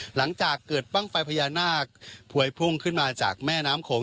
หลังจากเกิดบ้างไฟพญานาคพวยพุ่งขึ้นมาจากแม่น้ำโขง